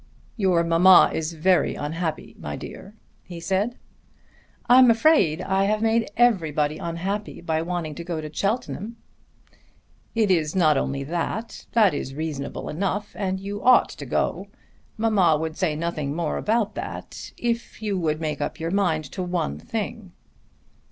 "Your mamma is very unhappy, my dear," he said. "I'm afraid I have made everybody unhappy by wanting to go to Cheltenham." "It is not only that. That is reasonable enough and you ought to go. Mamma would say nothing more about that, if you would make up your mind to one thing."